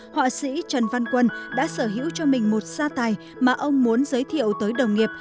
họa sĩ trần văn quân đã sở hữu cho mình một gia tài mà ông muốn giới thiệu tới đồng nghiệp